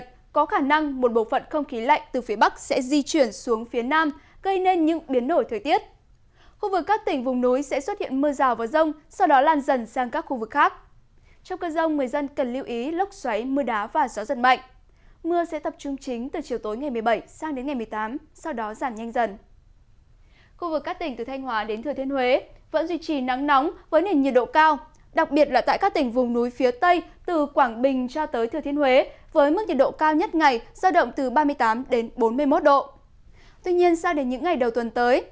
trong vài ngày tới tại khu vực nam bộ thời tiết vẫn duy trì nắng nóng với nhiệt độ cao nhất ngày phổ biến từ ba mươi bốn đến ba mươi bảy độ